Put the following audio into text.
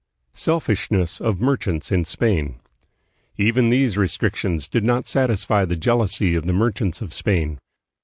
Selfishness of Merchants in Spain. Even these re strictions did not satisfy the jealousy of the merchants of Spain.